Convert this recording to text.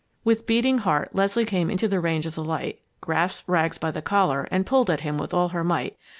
With beating heart Leslie came into the range of the light, grasped Rags by the collar and pulled at him with all her might.